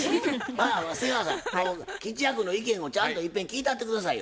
まあ瀬川さん吉弥君の意見もちゃんといっぺん聞いたって下さいよ。